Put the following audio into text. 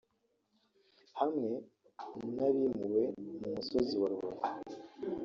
hamwe n’abimuwe mu musozi wa Rubavu